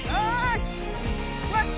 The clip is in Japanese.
よし！